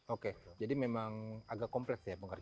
oke jadi memang agak kompleks ya pengkargaannya